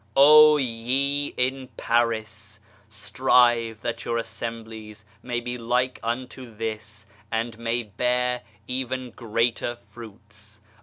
Oh ye in Paris, strive that your assemblies may be like unto this, and may bear even greater fruits